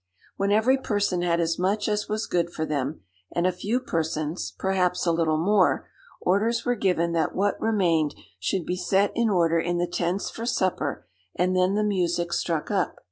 When every person had as much as was good for them, and a few persons, perhaps, a little more, orders were given that what remained should be set in order in the tents for supper; and then the music struck up.